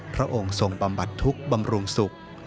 พระองค์ทรงบำบัดทุกข์บำรุงสุข